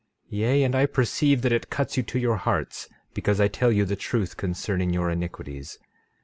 Yea, and I perceive that it cuts you to your hearts because I tell you the truth concerning your iniquities.